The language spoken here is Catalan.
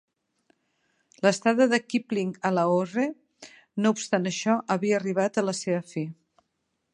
L'estada de Kipling a Lahore, no obstant això, havia arribat a la seva fi.